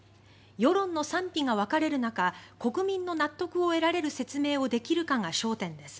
世論の賛否が分かれる中国民の納得を得られる説明をできるかが焦点です。